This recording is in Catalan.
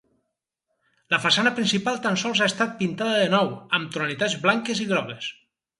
La façana principal tan sols ha estat pintada de nou, amb tonalitats blanques i grogues.